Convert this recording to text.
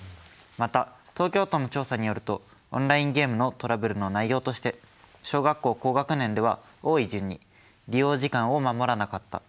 また東京都の調査によるとオンラインゲームのトラブルの内容として小学校高学年では多い順に「利用時間を守らなかった」